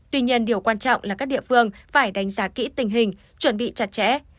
tuy nhiên điều quan trọng là các địa phương phải đánh giá kỹ tình hình chuẩn bị chặt chẽ